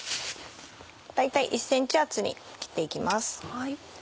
大体１ｃｍ厚に切って行きます。